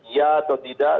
iya atau tidak